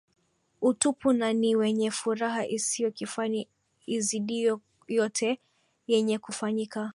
Utupu na ni wenye furaha isiyo kifani izidiyo yote yenye kufanyika